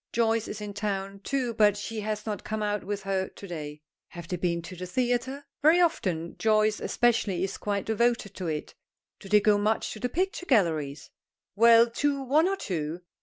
Joyce is in town, too, but she has not come out with her to day. Have they been to the theatre? Very often; Joyce, especially, is quite devoted to it. Do they go much to the picture galleries? Well, to one or two.